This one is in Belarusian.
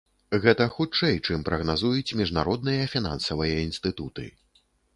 Гэта хутчэй, чым прагназуюць міжнародныя фінансавыя інстытуты.